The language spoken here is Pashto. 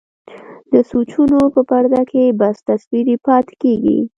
د سوچونو په پرده کې بس تصوير يې پاتې کيږي.